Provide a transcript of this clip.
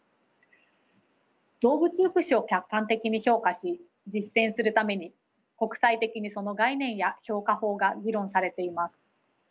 動物福祉を客観的に評価し実践するために国際的にその概念や評価法が議論されています。